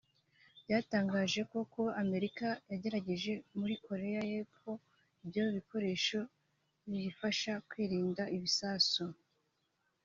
byatangaje ko kuba Amerika yaragejeje muri Korea y’Epfo ibyo bikoresho biyifasha kwirinda ibisasu